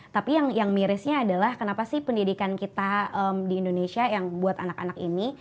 tapi yang mirisnya adalah kenapa sih pendidikan kita di indonesia yang buat anak anak ini